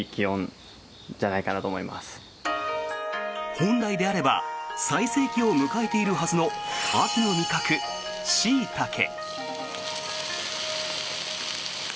本来であれば最盛期を迎えているはずの秋の味覚、シイタケ。